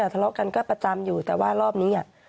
ทะเลาะกันก็ประจำอยู่แต่ว่ารอบนี้